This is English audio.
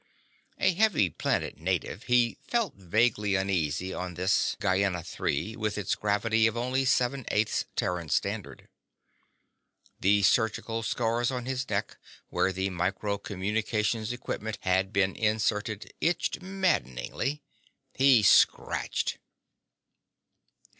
A heavy planet native, he felt vaguely uneasy on this Gienah III with its gravity of only seven eighths Terran Standard. The surgical scars on his neck where the micro communications equipment had been inserted itched maddeningly. He scratched.